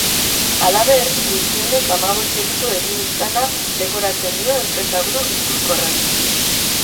Halaber, gutxienez hamabost delitu egin izana leporatzen dio enpresaburu gipuzkoarrari.